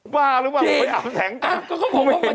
บ้าหรือเปล่าอาบแสงตังค์